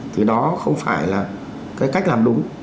thì đó không phải là cái cách làm đúng